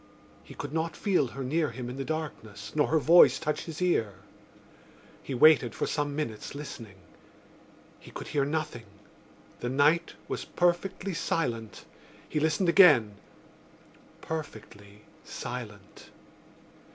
He could not feel her near him in the darkness nor her voice touch his ear. He waited for some minutes listening. He could hear nothing: the night was perfectly silent. He listened again: perfectly silent.